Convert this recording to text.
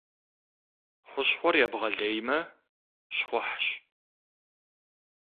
Хущхъуэр ебгъэлеймэ — щхъухьщ.